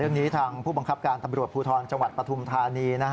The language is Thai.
เรื่องนี้ทางผู้บังคับการตำรวจพูทรจังหวัดปฐุมทานี